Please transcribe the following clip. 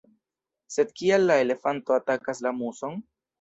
Sed kial la elefanto atakas la muson?